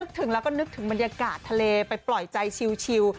ถึงแล้วก็นึกถึงบรรยากาศทะเลไปปล่อยใจชิว